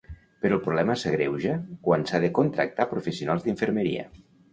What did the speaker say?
Però el problema s’agreuja quan s’ha de contractar professionals d’infermeria.